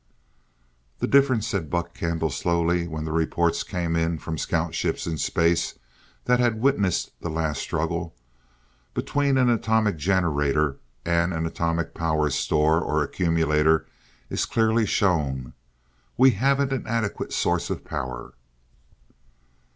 "The difference," said Buck Kendall slowly, when the reports came in from scout ships in space that had witnessed the last struggle, "between an atomic generator and an atomic power store, or accumulator, is clearly shown. We haven't an adequate source of power."